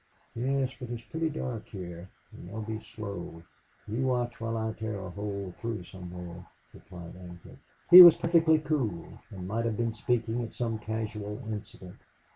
"Yes. But it's pretty dark here. And they'll be slow. You watch while I tear a hole through somewhere," replied Ancliffe. He was perfectly cool and might have been speaking of some casual incident.